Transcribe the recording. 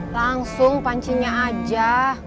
langsung pancinya aja